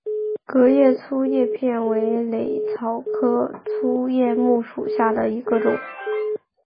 革叶粗叶木为茜草科粗叶木属下的一个种。